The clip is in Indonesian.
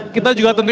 kita juga tentunya